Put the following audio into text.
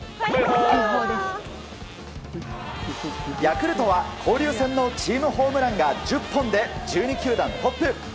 ヤクルトは交流戦のチームホームランが１０本で、１２球団トップ。